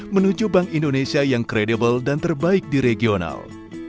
menuju bank indonesia yang kredibel dan terbaik di regional